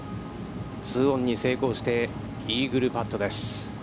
ツーオンに成功してイーグルパットです。